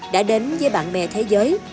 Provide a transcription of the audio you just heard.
đã đến với bạn bè thế giới